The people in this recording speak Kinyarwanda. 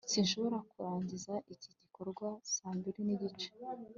sinshobora kurangiza iki gikorwa saa mbiri n'igice